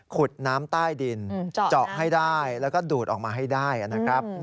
ขุดน้ำใต้ดินเจาะให้ได้แล้วก็ดูดออกมาให้ได้นะครับ